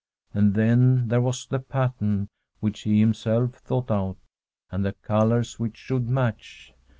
And then there was the pattern, which he himself thought out, and the colours which should match.